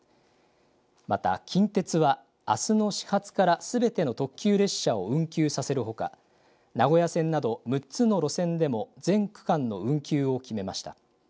また近鉄はあすの始発からすべての特急列車を運休させるほか、名古屋線など６つの路線でも全区間の運休を決めました。